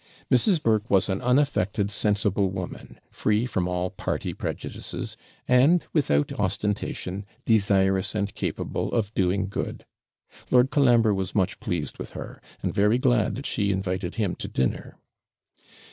Mrs. Burke was an unaffected, sensible woman, free from all party prejudices, and, without ostentation, desirous and capable of doing good. Lord Colambre was much pleased with her, and very glad that she invited him to dinner.